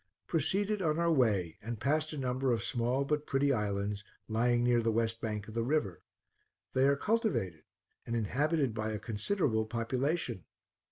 Proceeded on our way, and passed a number of small but pretty islands, lying near the west bank of the river. They are cultivated and inhabited by a considerable population.